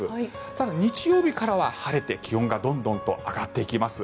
ただ、日曜日からは晴れて気温がどんどんと上がっていきます。